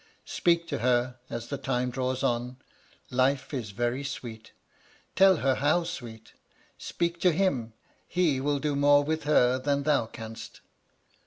Speak to her, as the time draws on. Life is very sweet, — ^tell her how sweet. Speak to him ; he will do more with her than thou canst.